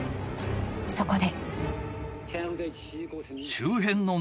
［そこで］